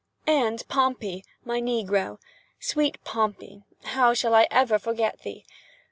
And Pompey, my negro!—sweet Pompey! how shall I ever forget thee?